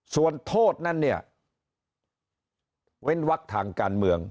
ส่วนโทษนั้นเนี่ยเว้นวักทางการเมือง